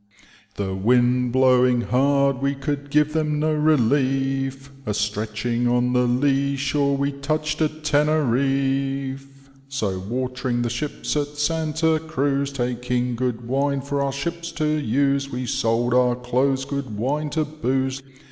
The wind blowing hard we could give them no relief, A stretching on the lee shore we touch'd at Teneriff ; So watering the ships at Santa Cruz, Taking good wine for our ships use, We sold~oar deaths good wine to booze.